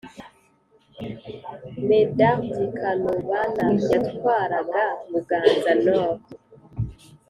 Medardi Kanubana yatwaraga Buganza-Nord.